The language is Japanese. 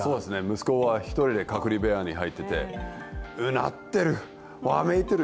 息子は１人で隔離部屋に入っていてうなってる、わめいてる。